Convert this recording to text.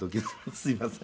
「すいません」